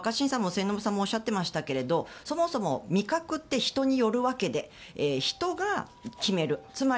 若新さんも末延さんもおっしゃってましたけどそもそも味覚って人によるわけで人が決める。